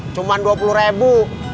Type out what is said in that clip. cuman dua puluh ribu